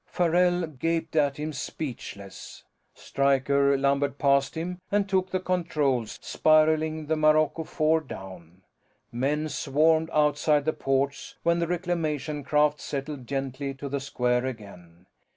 Farrell gaped at him, speechless. Stryker lumbered past him and took the controls, spiraling the Marco Four down. Men swarmed outside the ports when the Reclamations craft settled gently to the square again.